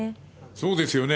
そうですよね。